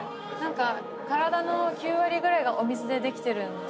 体の９割ぐらいがお水でできてるんですよね。